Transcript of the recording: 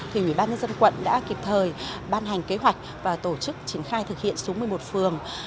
thì ubnd quận đã kịp thời ban hành kế hoạch và tổ chức triển khai thực hiện xuống một mươi một phường